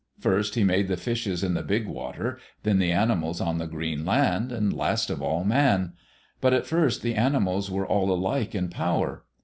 First, he made the fishes in the Big Water, then the animals on the green land, and last of all, Man! But at first the animals were all alike in power.